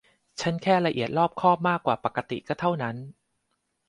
ฉันแค่ละเอียดรอบคอบมากกว่าปกติก็เท่านั้น